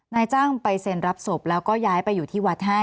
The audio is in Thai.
นายจ้างไปเซ็นรับศพแล้วก็ย้ายไปอยู่ที่วัดให้